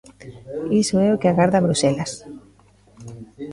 Iso é o que agarda Bruxelas.